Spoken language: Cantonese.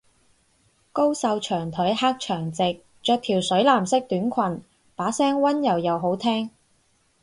高瘦長腿黑長直，着條水藍色短裙，把聲溫柔又好聽